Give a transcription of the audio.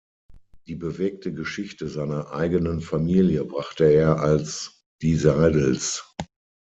Die bewegte Geschichte seiner eigenen Familie brachte er als "Die Seidels.